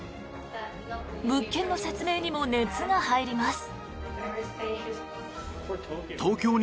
物件の説明にも熱が入ります。